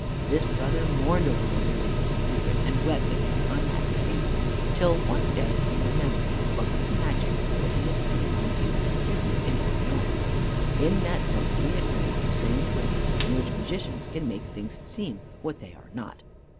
This brother mourned over Aurelius in secret and wept at his unhappy fate, till one day he remembered a book of magic that he had seen when he was a student in Orleans. In that book he had read of the strange ways in which Magicians can make things seem what they are not.